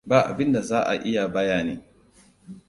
Ba abin da za a iya bayani.